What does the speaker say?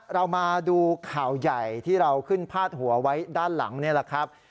เรามาดูข่าวใหญ่ที่เราขึ้นพาดหัวไว้ด้านหลังนี่แหละครับ